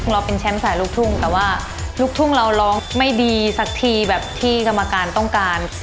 เราเป็นแชมป์สายลูกทุ่งแต่ว่าลูกทุ่งเราร้องไม่ดีสักทีแบบที่กรรมการต้องการ